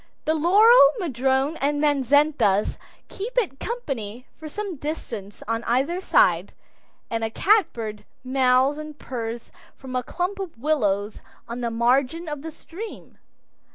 The laurel, madrone, and manzanitas keep it company for some distance on either side, and a catbird mews and purrs from a clump of willows on the margin of the stream.